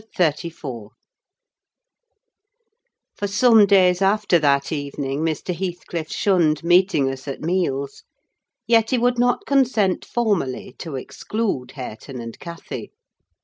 CHAPTER XXXIV For some days after that evening, Mr. Heathcliff shunned meeting us at meals; yet he would not consent formally to exclude Hareton and Cathy.